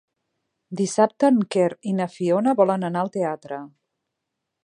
Dissabte en Quer i na Fiona volen anar al teatre.